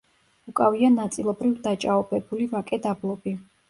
უკავია ნაწილობრივ დაჭაობებული ვაკე-დაბლობი.